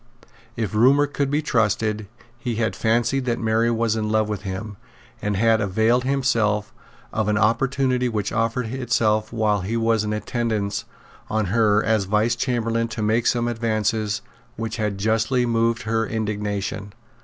If rumour could be trusted, he had fancied that Mary was in love with him, and had availed himself of an opportunity which offered itself while he was in attendance on her as Vice Chamberlain to make some advances which had justly moved her indignation.